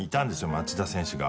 町田選手が。